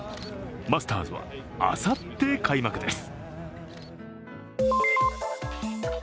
マスターズはあさって開幕です。